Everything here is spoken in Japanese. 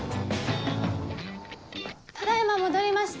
ただ今戻りました。